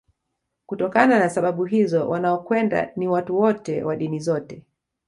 Kutokana na sababu hizo wanaokwenda ni watu wote wa dini zote